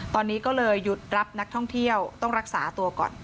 ตอนนี้ก็เลยหยุดรับนักท่องเที่ยวต้องรักษาตัวก่อน